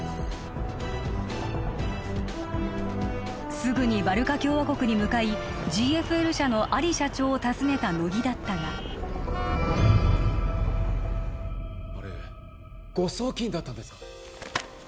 すぐにバルカ共和国に向かいＧＦＬ社のアリ社長を訪ねた乃木だったがあれ誤送金だったんですか？